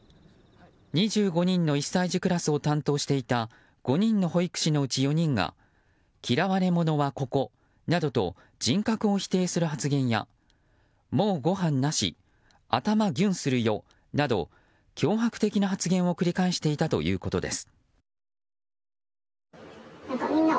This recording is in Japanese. ２５人の１歳児クラスを担当していた５人の保育士のうち４人が嫌われ者はここなどと人格を否定する発言やもうご飯なし頭ぎゅんするよなど脅迫的な発言を繰り返していたということです。